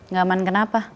gak aman kenapa